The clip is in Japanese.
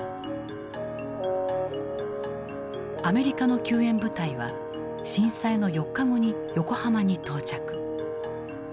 アメリカの救援部隊は震災の４日後に横浜に到着。